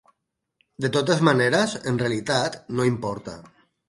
De totes maneres, en realitat, no importa.